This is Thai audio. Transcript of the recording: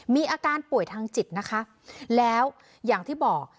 มีอาการป่วยทางจิตนะคะแล้วอย่างที่บอก